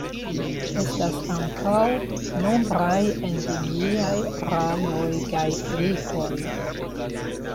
Estas ankaŭ nombraj endemiaj ranoj kaj helikoj.